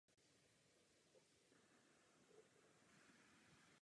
U třetiny je připojena fotografie hlavní postavy či filmového výjevu.